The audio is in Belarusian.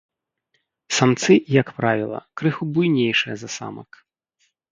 Самцы, як правіла, крыху буйнейшыя за самак.